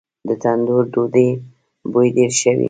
د تندور ډوډۍ بوی ډیر ښه وي.